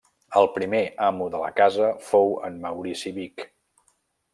El primer amo de la casa fou en Maurici Vic.